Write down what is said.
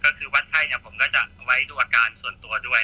ก็คือวัดไข้เนี่ยผมก็จะเอาไว้ดูอาการส่วนตัวด้วย